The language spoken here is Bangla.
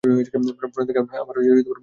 প্রণেতাকে আমার বিশেষ ধন্যবাদ দিবে।